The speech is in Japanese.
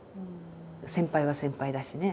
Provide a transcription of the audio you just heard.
先輩は先輩だしね。